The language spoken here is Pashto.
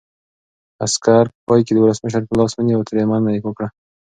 عسکر په پای کې د ولسمشر لاس ونیو او ترې مننه یې وکړه.